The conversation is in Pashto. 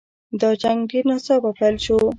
دا جنګ ډېر ناڅاپه پیل شو.